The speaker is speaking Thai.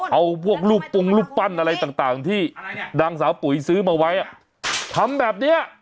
เอาพวกรูปปรุงรูปปั้นอะไรต่างที่นางสาวปุ๋ยซื้อมาไว้ทำแบบเนี้ย